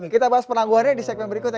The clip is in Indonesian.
kita bahas penangguhannya di segmen berikutnya